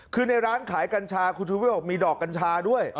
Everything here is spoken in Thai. คือในร้านขายกัญชาคุณชูวิทย์บอกมีดอกกัญชาด้วย